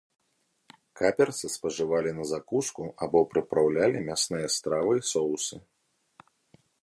Каперсы спажывалі на закуску або прыпраўлялі мясныя стравы і соусы.